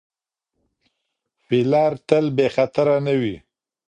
فیلر تل بې خطره نه وي.